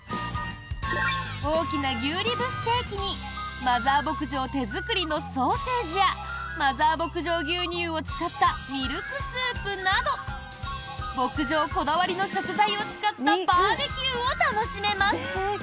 大きな牛リブステーキにマザー牧場手作りのソーセージやマザー牧場牛乳を使ったミルクスープなど牧場こだわりの食材を使ったバーベキューを楽しめます。